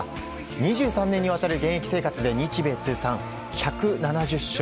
２３年にわたる現役生活で日米通算１７０勝。